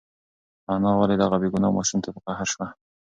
انا ولې دغه بېګناه ماشوم ته په قهر شوه؟